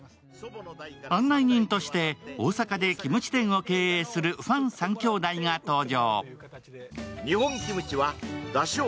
案内人として大阪でキムチ店を経営するファン三兄弟が登場。